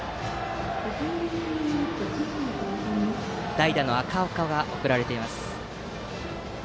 代打の赤岡が送られています。